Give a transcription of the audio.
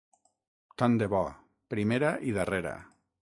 Tant de bo, primera i darrera!